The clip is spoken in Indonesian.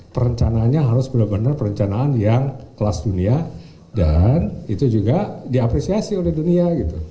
perencanaannya harus benar benar perencanaan yang kelas dunia dan itu juga diapresiasi oleh dunia